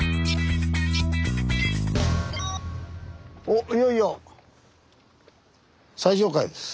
おっいよいよ最上階です。